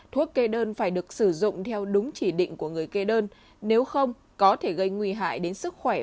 thuốc kê đơn phải được sử dụng theo đúng chỉ định của người kê đơn nếu không có thể gây nguy hại đến sức khỏe